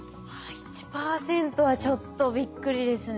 １％はちょっとびっくりですね。